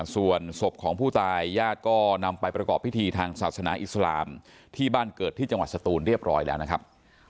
ส่วนศพของผู้ตายญาติก็นำไปประกอบพิธีทางศาสนาอิสลามที่บ้านเกิดที่จังหวัดสตูนเรียบร้อยแล้วนะครับ